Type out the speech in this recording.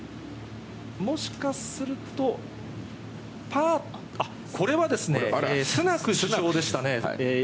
もしかすると、これはスナク首相でしたね。